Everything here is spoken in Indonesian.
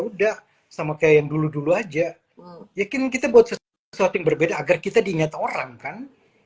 udah sama kayak yang dulu dulu aja yakin kita buat sesuatu yang berbeda agar kita diingat orang kan